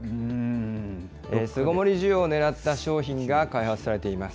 巣ごもり需要をねらった商品が開発されています。